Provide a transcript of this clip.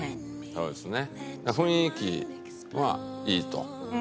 そうですね。